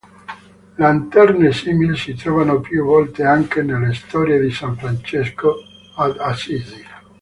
Lanterne simili si trovano più volte anche nelle "Storie di san Francesco" ad Assisi.